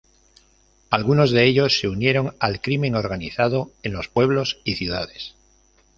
Algunos de ellos se unieron al crimen organizado en los pueblos y ciudades.